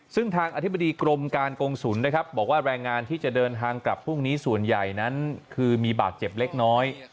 ซึ่งทางอธิบดีกรมการกงศูนย์นะครับบอกว่าแรงงานที่จะเดินทางกลับพรุ่งนี้ส่วนใหญ่นั้นคือมีบาดเจ็บเล็กน้อย